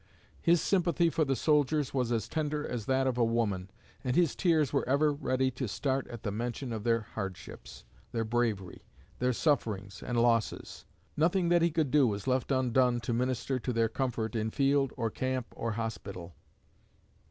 His sympathy for the soldiers was as tender as that of a woman, and his tears were ever ready to start at the mention of their hardships, their bravery, their sufferings and losses. Nothing that he could do was left undone to minister to their comfort in field or camp or hospital.